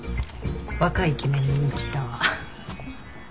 若いイケメン見に来た。